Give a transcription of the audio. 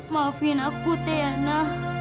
maafkan aku tiana